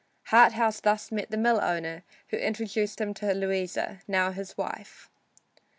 Harthouse thus met the mill owner, who introduced him to Louisa, now his wife.